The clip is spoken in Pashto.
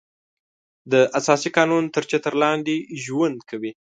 د اساسي قانون تر چتر لاندې ژوند کوي.